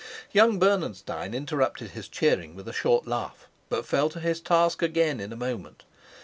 Young Bernenstein interrupted his cheering with a short laugh, but fell to his task again in a moment.